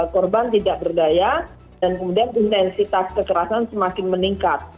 korban tidak berdaya dan kemudian intensitas kekerasan semakin meningkat